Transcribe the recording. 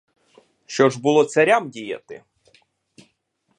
Що ж було царям діяти?